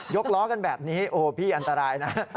กล้อกันแบบนี้โอ้พี่อันตรายนะ